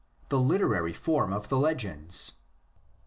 THE LITERARY FORM OF THE LEGENDS.